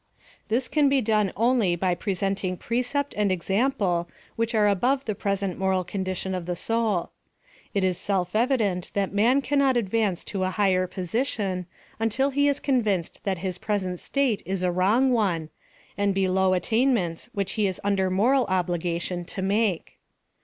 This can be done only by presenting precept and example which are above the present moral condition of the soul. It is seli evident that man cannot advance to a higher posi tion until he is convinced that his present state is a wrong one, and below attainments which he is under moral obligation to make.